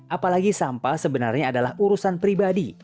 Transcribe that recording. apalagi sampah sebenarnya adalah urusan pribadi